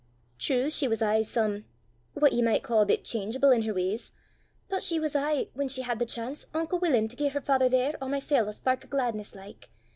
True, she was aye some what ye micht ca' a bit cheengeable in her w'ys; but she was aye, whan she had the chance, unco willin' to gie her faither there or mysel' a spark o' glaidness like.